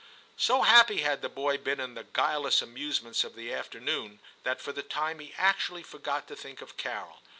So happy had the boy been in the guile less amusements of the afternoon that for the time he actually forgot to think of Carol.